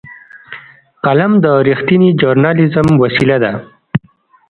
قلم د رښتینې ژورنالېزم وسیله ده